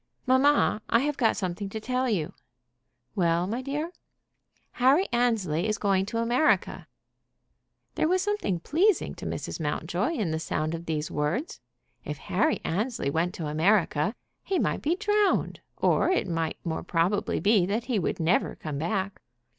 "Mamma, I have got something to tell you." "Well, my dear?" "Harry Annesley is going to America!" There was something pleasing to Mrs. Mountjoy in the sound of these words. If Harry Annesley went to America he might be drowned, or it might more probably be that he would never come back.